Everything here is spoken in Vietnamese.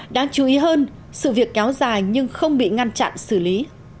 đáng chú ý hơn sự việc kéo dài nhưng không bị ngăn chặn xử lý